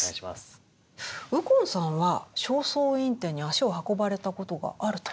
右近さんは「正倉院展」に足を運ばれたことがあると。